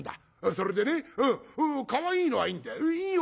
「それでねかわいいのはいいんだよ。